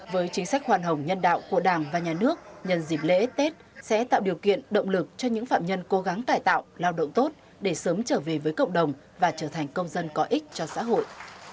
với chính sách hoàn hồng nhân đạo của đảng và nhà nước nhân dịp lễ tết sẽ tạo điều kiện động lực cho những phạm nhân cố gắng cải tạo lao động tốt để sớm trở về với cộng đồng và trở thành công dân có ích cho xã hội